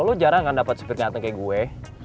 lu jarang nggak dapet sepi kaya gue